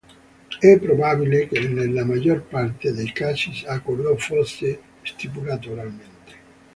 È probabile che nella maggior parte dei casi l'accordo fosse stipulato oralmente.